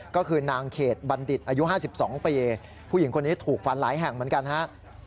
ก็คือนางเขตบัณฑิตอายุ๕๒ปีผู้หญิงคนนี้ถูกฟันหลายแห่งเหมือนกันฮะ